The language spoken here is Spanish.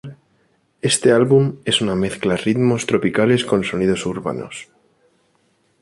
Este álbum es una mezcla ritmos tropicales con sonidos urbanos.